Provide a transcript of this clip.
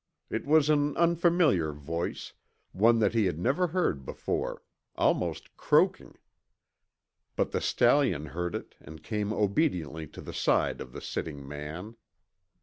It was an unfamiliar voice, one that he had never heard before almost croaking. But the stallion heard it and came obediently to the side of the sitting man.